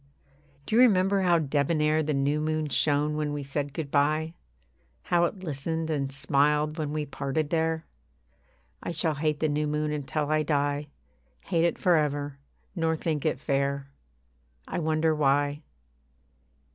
Do you remember how debonair The new moon shone when we said good bye? How it listened and smiled when we parted there? I shall hate the new moon until I die Hate it for ever, nor think it fair. I wonder why.